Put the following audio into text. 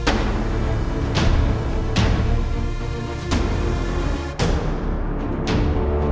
oh kisah yang kuberantik